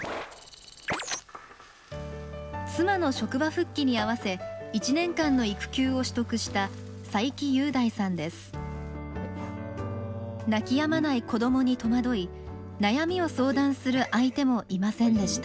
妻の職場復帰にあわせ１年間の育休を取得した泣きやまない子どもに戸惑い悩みを相談する相手もいませんでした。